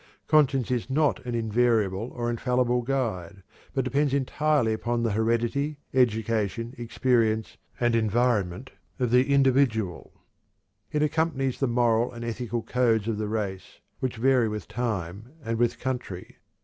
Conscience is not an invariable or infallible guide, but depends entirely upon the heredity, education, experience, and environment of the individual. It accompanies the moral and ethical codes of the race, which vary with time and with country.